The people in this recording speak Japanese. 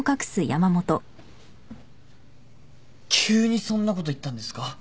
急にそんなこと言ったんですか？